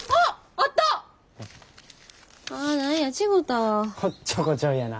おっちょこちょいやな。